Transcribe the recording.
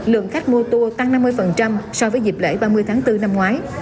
lượng khách mua tour tăng năm mươi so với dịp lễ ba mươi tháng bốn năm ngoái